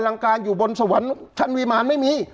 ลังการอยู่บนสวรรค์ชั้นวิมารไม่มี